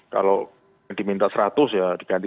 kalau diminta seratus ya diganti